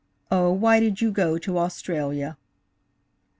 Oh, why did you go to Australia?